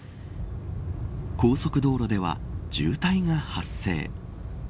高速道路では渋滞が発生。